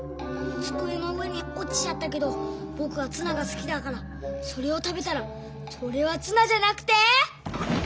つくえの上におちちゃったけどぼくはツナがすきだからそれを食べたらそれはツナじゃなくて。